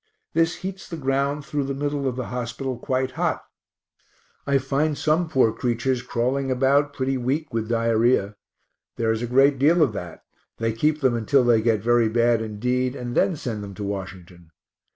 This heats the ground through the middle of the hospital quite hot. I find some poor creatures crawling about pretty weak with diarrhoea; there is a great deal of that; they keep them until they get very bad indeed, and then send them to Washington.